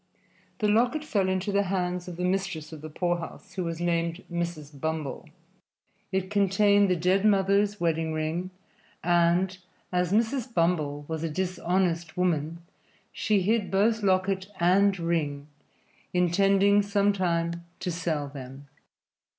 The locket fell into the hands of the mistress of the poorhouse, who was named Mrs. Bumble. It contained the dead mother's wedding ring, and, as Mrs. Bumble was a dishonest woman, she hid both locket and ring, intending sometime to sell them.